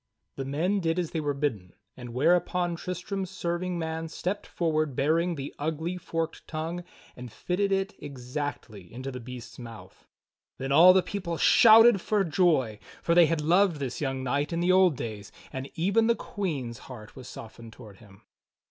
The men did as they were bidden, whereupon Tristram's serv ing man stepped forward bearing the ugly, forked tongue and fitted it exactly into the beast's mouth. Then all the people shouted for joy; for they had loved this young knight in the old days; and even the Queen's heart was softened toward him.